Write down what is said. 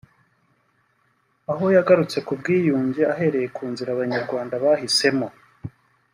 aho yagarutse ku bwiyunge ahereye ku nzira abanyarwanda bahisemo